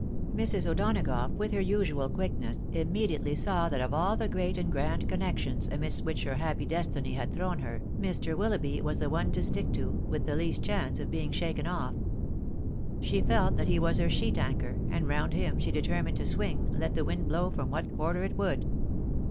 Mrs. O'Donagough, with her usual quickness, immediately saw that of aU. the great and grand connections amidst which her happy destiny had tlu'own her, Mr. Willoughby was the one to stick to, with the least chance of being shaken off. She felt that he was her sheet anchor, and round him she determined to swing, let the wind blow from what quarter it would.